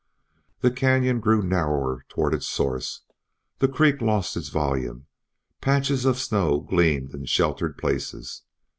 The canon grew narrower toward its source; the creek lost its volume; patches of snow gleamed in sheltered places.